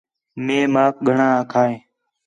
مئے ماک گھݨاں آکھا ہِے